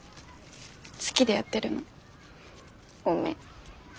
好きでやってるの。ごめん。